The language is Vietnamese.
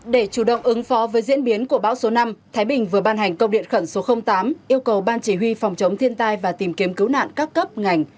để chủ động ứng phó với diễn biến của bão số năm thái bình vừa ban hành công điện khẩn số tám yêu cầu ban chỉ huy phòng chống thiên tai và tìm kiếm cứu nạn các cấp ngành